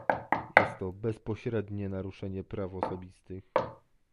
Jest to bezpośrednie naruszenie praw osobistych